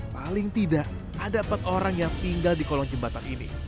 paling tidak ada empat orang yang tinggal di kolong jembatan ini